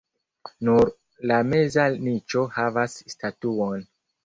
Nur la meza niĉo havas statuon.